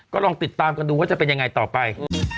ก็ลองติดตามกันดูว่าจะเป็นยังไงต่อไป